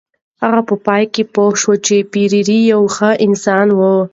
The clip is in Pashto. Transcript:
هغه په پای کې پوه شوه چې پییر یو ښه انسان دی.